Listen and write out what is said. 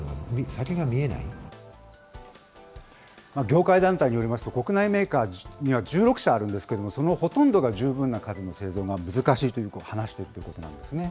業界団体によりますと、国内メーカーには、１６社あるんですけれども、そのほとんどが十分な数の製造が難しいというふうに話しているということなんですね。